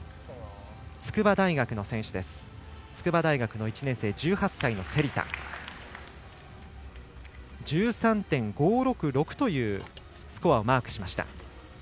筑波大学の１年生１８歳の芹田。１３．５６６というスコアをマークしました。